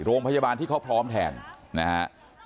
โรงพยาบาลที่เขาพร้อมแทนนะฮะ